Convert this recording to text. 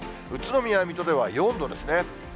宇都宮、水戸では４度ですね。